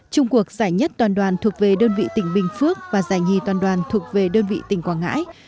trung cuộc giải nhất toàn đoàn thuộc về đơn vị tỉnh bình phước và giải nhì toàn đoàn thuộc về đơn vị tỉnh quảng ngãi